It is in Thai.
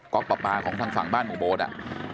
ก๊อกประปาของทางฝั่งบ้านหมู่มดอ่ะ